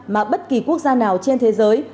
mà bất kỳ quốc gia nào trên thế giới